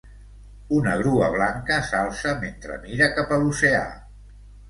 Una grua blanca s'alça mentre mira cap a l'oceà.